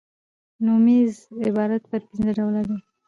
نومیز عبارت پر پنځه ډوله دئ.